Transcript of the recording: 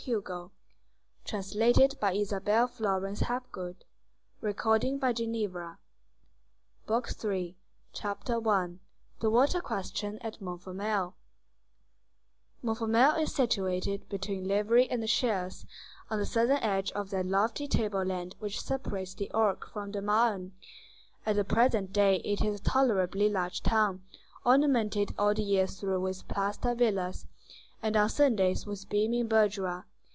BOOK THIRD—ACCOMPLISHMENT OF THE PROMISE MADE TO THE DEAD WOMAN CHAPTER I—THE WATER QUESTION AT MONTFERMEIL Montfermeil is situated between Livry and Chelles, on the southern edge of that lofty table land which separates the Ourcq from the Marne. At the present day it is a tolerably large town, ornamented all the year through with plaster villas, and on Sundays with beaming bourgeois.